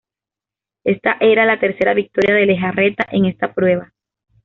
Ésta era la tercera victoria de Lejarreta en esta prueba.